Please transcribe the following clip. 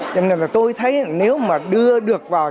cho nên là tôi thấy nếu mà đưa được vào